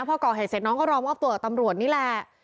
พอก่อเหตุเสร็จน้องก็รอมอบตัวกับตำรวจนี่แหละ